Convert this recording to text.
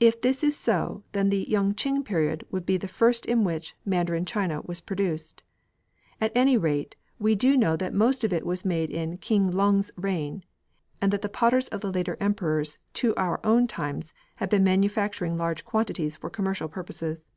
If this is so, then the Yung ching period would be the first in which Mandarin china was produced. At any rate we do know that most of it was made in Keen lung's reign, and that the potters of the later Emperors, to our own times, have been manufacturing large quantities for commercial purposes.